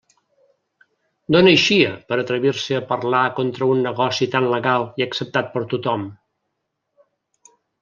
D'on eixia per a atrevir-se a parlar contra un negoci tan legal i acceptat per tothom?